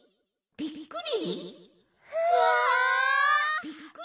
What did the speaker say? びっくり！